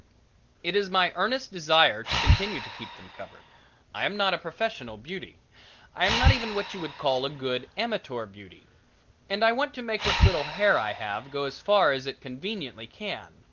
It is my earnest desire to continue to keep them covered. I am not a professional beauty; I am not even what you would call a good amateur beauty; and I want to make what little hair I have go as far as it conveniently can.